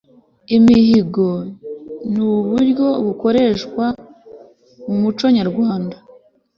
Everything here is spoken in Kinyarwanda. imihigo ni uburyo bukoreshwa mu muco nyarwanda